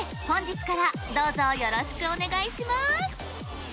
本日からどうぞよろしくお願いします。